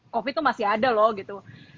covid itu masih ada loh gitu